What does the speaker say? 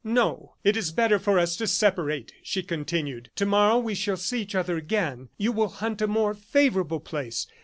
"No, it is better for us to separate," she continued. "Tomorrow we shall see each other again. You will hunt a more favorable place.